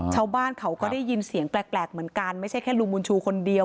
ชาวบ้านเขาก็ได้ยินเสียงแปลกเหมือนกันไม่ใช่แค่ลุงบุญชูคนเดียว